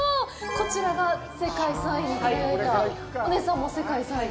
こちらが世界３位に輝いたお姉さんも世界３位